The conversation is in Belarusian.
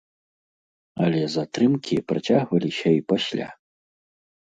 Але затрымкі працягваліся і пасля.